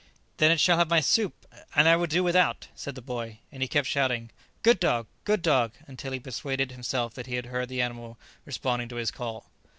"Then it shall have my soup, and I will do without," said the boy, and he kept shouting, "Good dog! good dog!" until he persuaded himself that he heard the animal responding to his call.